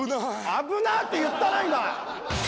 「危な」って言ったな今！